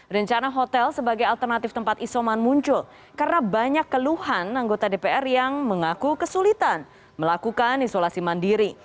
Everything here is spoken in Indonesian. rencana hotel sebagai alternatif tempat isoman muncul karena banyak keluhan anggota dpr yang mengaku kesulitan melakukan isolasi mandiri